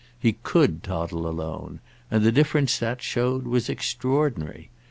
He could toddle alone, and the difference that showed was extraordinary.